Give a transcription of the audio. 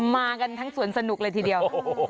มากันทั้งสวนสนุกเลยทีเดียว